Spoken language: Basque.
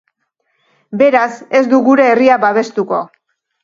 Beraz, ez du gure herria babestuko.